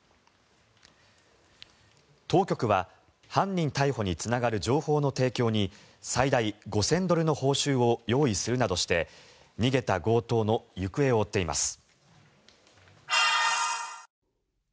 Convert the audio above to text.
当局は犯人逮捕につながる情報の提供に最大５０００ドルの報酬を用意するなどして逃げた強盗の行方を追っています。